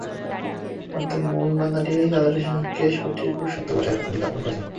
অর্থাৎ মুমিন বান্দাটি তাদেরকে সঠিক ও সত্য পথের দিকে আহ্বান করছেন।